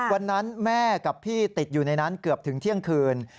แม่กับพี่ติดอยู่ในนั้นเกือบถึงเที่ยงคืน